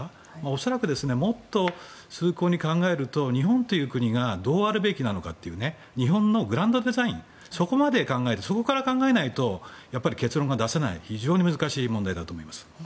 恐らく、もっと崇高に考えると日本という国がどうあるべきなのかという日本のグランドデザインそこから考えないと結論が出せない非常に難しい問題だと思います。